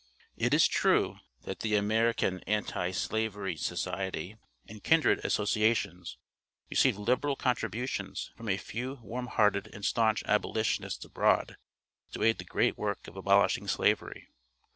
It is true, that the American Anti slavery Society and kindred associations, received liberal contributions from a few warm hearted and staunch abolitionists abroad, to aid the great work of abolishing Slavery.